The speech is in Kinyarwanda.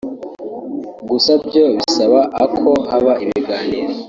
gusa byose bisaba ako haba ibiganiro